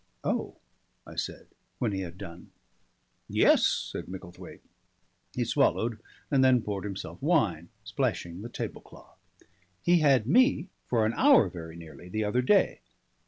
"Oh!" I said, when he had done. "Yes," said Micklethwaite. He swallowed and then poured himself wine splashing the tablecloth. "He had me for an hour very nearly the other day."